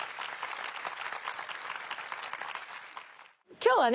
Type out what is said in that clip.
今日はね